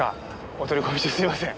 お取り込み中すいません。